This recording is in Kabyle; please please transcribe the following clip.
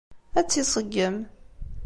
Ad tt-iṣeggem.